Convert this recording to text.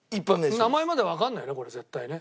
名前までわかんないよねこれ絶対ね。